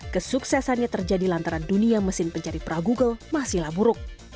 kesuksesannya terjadi lantaran dunia mesin pencari pra google masihlah buruk